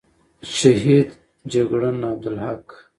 شهید جگړن عبدالحق،